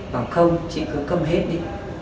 bảo không chị cứ cầm hết đi